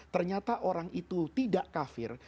ternyata orang itu tidak kafir